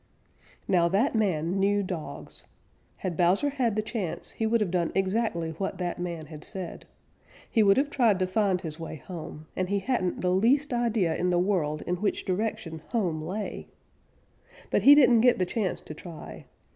Now that man knew dogs. Had Bowser had the chance, he would have done exactly what that man had said. He would have tried to find his way home, and he hadn't the least idea in the world in which direction home lay. But he didn't get the chance to try.